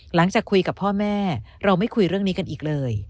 หลังจากคุยกับพ่อแม่เราไม่คุยเรื่องนี้กันอีกเลย